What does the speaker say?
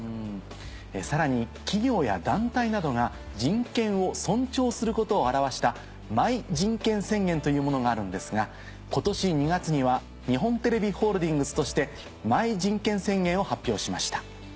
さらに企業や団体などが人権を尊重することを表した「Ｍｙじんけん宣言」というものがあるんですが今年２月には日本テレビホールディングスとして「Ｍｙじんけん宣言」を発表しました。